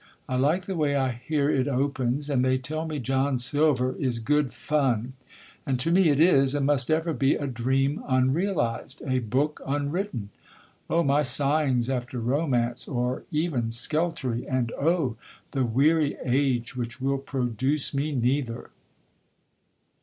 I like the way I hear it opens; and they tell me John Silver is good fun. And to me it is, and must ever be, a dream unrealised, a book unwritten. O my sighings after romance, or even Skeltery, and O! the weary age which will produce me neither!